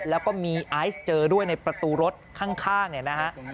แล้วก็มีไอซ์เจอด้วยในประตูรถข้างเนี่ยนะฮะ